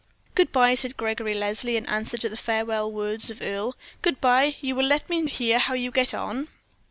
"Good bye," said Gregory Leslie, in answer to the farewell words of Earle. "Good bye: you will let me hear how you get on."